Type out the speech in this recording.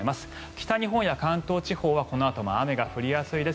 北日本や関東地方はこのあとも雨が降りやすいです。